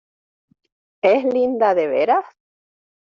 ¿ es linda de veras?